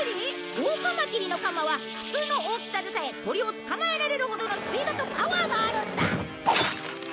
オオカマキリのカマは普通の大きさでさえ鳥を捕まえられるほどのスピードとパワーがあるんだ。